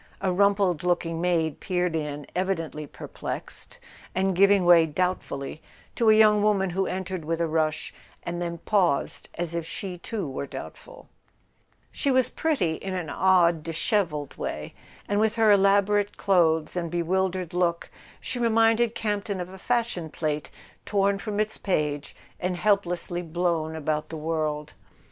A rumpled looking maid peered in, evidently perplexed, and giving way doubtfully to a young woman who entered with a rush, and then paused as if she too [ 86 ] A SON AT THE FRONT were doubtful. She was pretty in an odd dishevelled way, and with her elaborate clothes and bewildered look she reminded Campton of a fashion plate torn from its page and helplessly blown about the world.